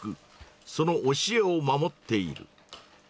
その教えを守っている。